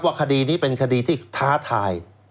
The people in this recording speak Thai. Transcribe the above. คดีนี้เป็นคดีที่ท้าทาย